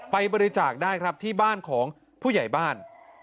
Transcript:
บริจาคได้ครับที่บ้านของผู้ใหญ่บ้าน